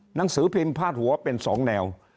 หนังสือพิมพ์พาดหัวเป็น๒แนว